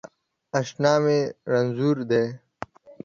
اشنا می رنځور دی